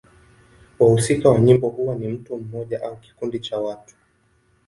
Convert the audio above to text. Wahusika wa nyimbo huwa ni mtu mmoja au kikundi cha watu.